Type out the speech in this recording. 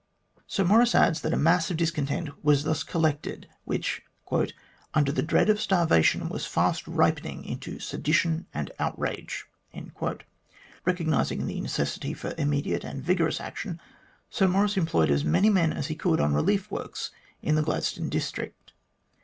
Sir Maurice adds that a mass of discontent was thus collected, which, " under the dread of starvation, was fast ripening into sedition and outrage." Eecognising the necessity for im mediate and vigorous action, Sir Maurice employed as many men as he could on relief works in the Gladstone district.